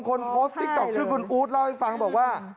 คนโพสต์ติ๊กต๊อกชื่อคุณอู๊ดเล่าให้ฟังบอกว่า